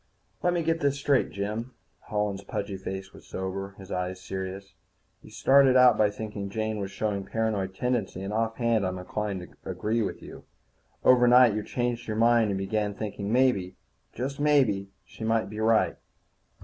_"Let me get this straight, Jim." Holland's pudgy face was sober, his eyes serious. "You started out by thinking Jean was showing paranoid tendencies, and offhand I'm inclined to agree with you. Overnight you changed your mind and began thinking that maybe, just maybe, she might be right.